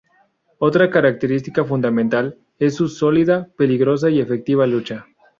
Otra característica fundamental es su sólida, peligrosa y efectiva lucha.